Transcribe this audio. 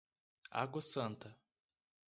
Água Santa